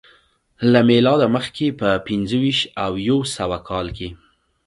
له میلاده مخکې په پنځه ویشت او یو سوه کال کې